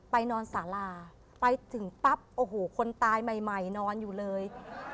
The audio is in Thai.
นอนสาราไปถึงปั๊บโอ้โหคนตายใหม่นอนอยู่เลย